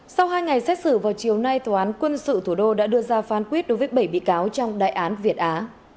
sau hai ngày xét xử vào chiều nay tòa án quân sự thủ đô đã đưa ra phán quyết đối với bảy bị cáo trong đại án việt á